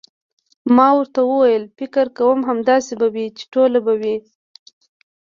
ما ورته وویل: فکر کوم، همداسې به وي، چې ټوله به وي.